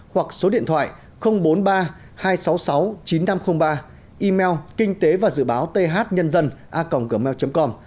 hoặc số điện thoại bốn mươi ba hai trăm sáu mươi sáu chín nghìn năm trăm linh ba email kinh tế và dự báo thân dân a gmail com